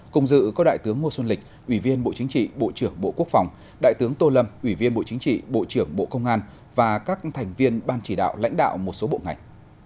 cùng dự có đại tướng ngô xuân lịch ủy viên bộ chính trị bộ trưởng bộ quốc phòng đại tướng tô lâm ủy viên bộ chính trị bộ trưởng bộ công an và các thành viên ban chỉ đạo lãnh đạo một số bộ ngành